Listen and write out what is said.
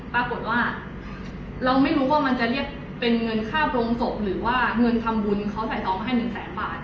เราไม่รู้ว่ามันจะเรียกเป็นเงินคาบโรงศพหรือว่าเงินทำบุญเขาใส่ซ้อมให้หนึ่งแสนบาท